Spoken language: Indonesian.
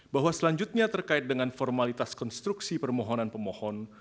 bahwa selanjutnya terkait dengan formalitas konstruksi permohonan pemohon